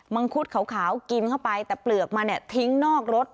ังคุดขาวกินเข้าไปแต่เปลือกมันเนี่ยทิ้งนอกรถ